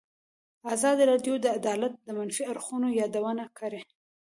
ازادي راډیو د عدالت د منفي اړخونو یادونه کړې.